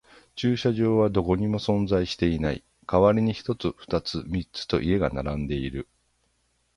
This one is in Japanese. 駐車場はどこにも存在していない。代わりに一つ、二つ、三つと家が並んでいる。